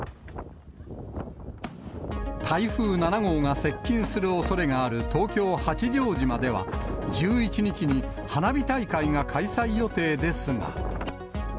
台風７号が接近するおそれがある東京・八丈島では、１１日に花火大会が開催予定ですが。